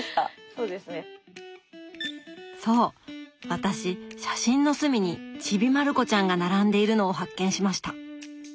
私写真の隅に「ちびまる子ちゃん」が並んでいるのを発見しました。